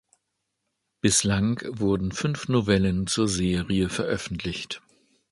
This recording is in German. Bislang wurden fünf Novellen zur Serie veröffentlicht.